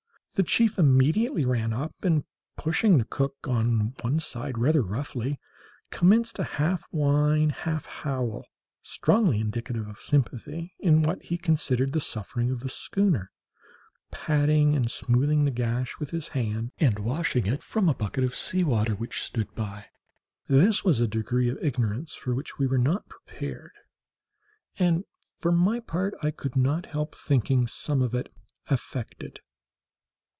The chief immediately ran up, and pushing the cook on one side rather roughly, commenced a half whine, half howl, strongly indicative of sympathy in what he considered the sufferings of the schooner, patting and smoothing the gash with his hand, and washing it from a bucket of seawater which stood by. This was a degree of ignorance for which we were not prepared, and for my part I could not help thinking some of it affected.